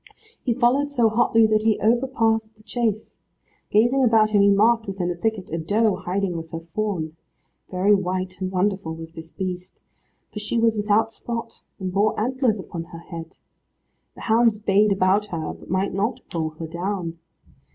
He followed so hotly that he over passed the chase. Gazing about him he marked, within a thicket, a doe hiding with her fawn. Very white and wonderful was this beast, for she was without spot, and bore antlers upon her head. The hounds bayed about her, but might not pull her down.